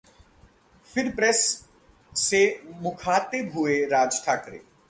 फिर प्रेस से मुखातिब हुए राज ठाकरे